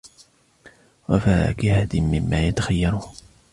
وَفَاكِهَةٍ مِمَّا يَتَخَيَّرُونَ